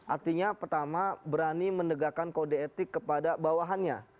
artinya pertama berani menegakkan kode etik kepada bawahannya